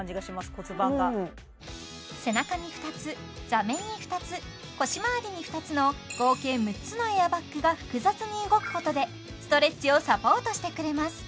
骨盤が背中に２つ座面に２つ腰まわりに２つの合計６つのエアバッグが複雑に動くことでストレッチをサポートしてくれます